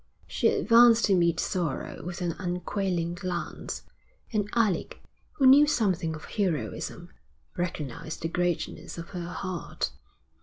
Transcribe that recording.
She advanced to meet sorrow with an unquailing glance, and Alec, who knew something of heroism, recognised the greatness of her heart.